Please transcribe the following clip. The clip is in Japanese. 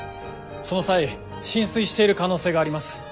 その際浸水している可能性があります。